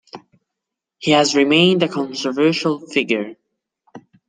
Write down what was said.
He has remained a controversial figure.